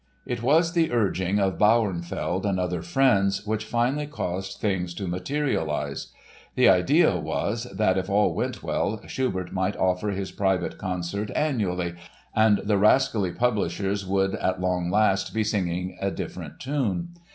It was the urging of Bauernfeld and other friends which finally caused things to materialize. The idea was that if all went well Schubert might offer his private concert annually and the rascally publishers would at long last be singing a different tune.